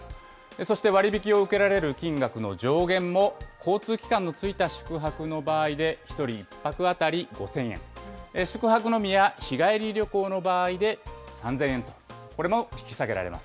そして割引を受けられる金額の上限も、交通機関のついた宿泊の場合で、１人１泊当たり５０００円、宿泊のみや日帰り旅行の場合で３０００円と、これも引き下げられます。